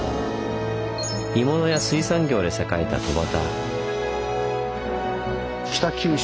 鋳物や水産業で栄えた戸畑。